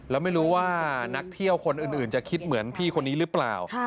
แล้วไม่รู้ว่านักเที่ยวคนอื่นจะคิดเหมือนพี่คนนี้หรือเปล่า